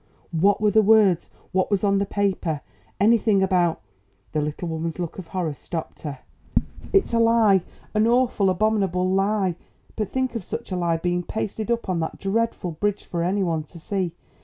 "What were the words? What was on the paper? Anything about " The little woman's look of horror stopped her. "It's a lie, an awful, abominable lie. But think of such a lie being pasted up on that dreadful bridge for any one to see.